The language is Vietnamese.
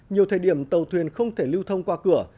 nhiều thời điểm tàu thuyền không thể lưu thông qua cửa